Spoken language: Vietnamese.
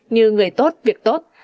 như người tốt việc tốt